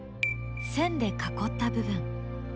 線で囲った部分。